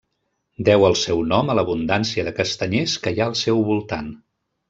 Deu el seu nom a l'abundància de castanyers que hi ha al seu voltant.